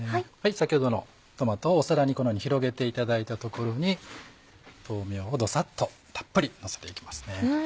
先ほどのトマトを皿にこのように広げていただいたところに豆苗をドサっとたっぷりのせて行きます。